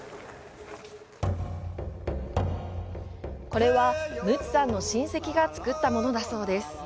これはムツさんの親戚が作った物だそうです。